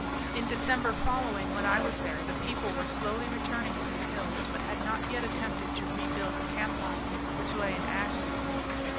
In December following, when I was there, the people were slowly returning from the hills, but had not yet attempted to rebuild the campong, which lay in ashes.